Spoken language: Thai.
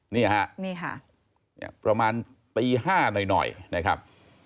นี่ฮะนี่ค่ะประมาณตี๕หน่อยนะครับ